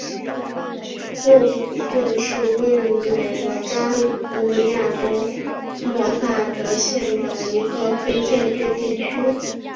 霍普顿是位于美国加利福尼亚州默塞德县的一个非建制地区。